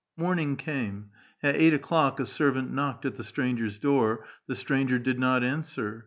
Morning came ; at eight o'clock a servant knocked at the stranger's door; tlie stranger did not answer.